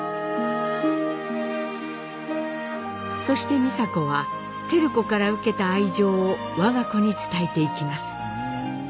そして美佐子は照子から受けた愛情を我が子に伝えていきます。